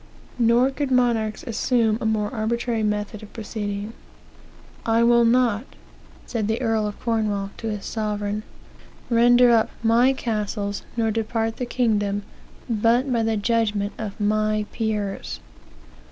Nor could monarchs assume a more arbitrary method of proceeding. 'I will not' (said the Earl of Cornwall to his sovereign) 'render up my castles, nor depart the kingdom, but by judgment of my peers.'